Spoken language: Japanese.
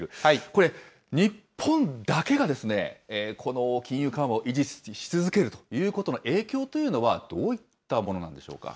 これ、日本だけがこの金融緩和を維持し続けるということの影響というのは、どういったものなんでしょうか。